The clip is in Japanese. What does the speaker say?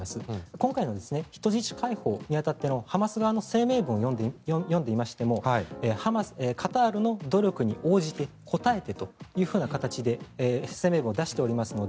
今回の人質解放に当たってのハマス側の声明文を読みましてもカタールの努力に応じて応えてという形で声明文を出しています。